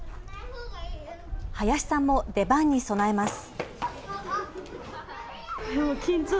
林さんも出番に備えます。